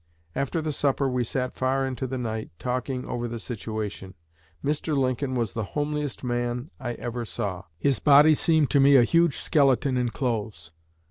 After the supper we sat far into the night, talking over the situation. Mr. Lincoln was the homeliest man I ever saw. His body seemed to me a huge skeleton in clothes.